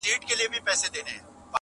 په دې سپي کي کمالونه معلومېږي,